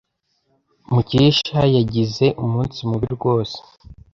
Mukesha yagize umunsi mubi rwose.